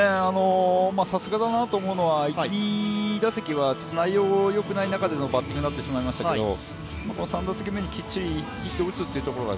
さすがだなと思うのは、１・２打席は内容、よくない中でのバッティングになってしまいましたけども３打席目にきっちりヒットを打つというところが